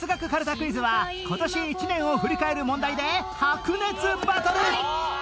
クイズは今年一年を振り返る問題で白熱バトル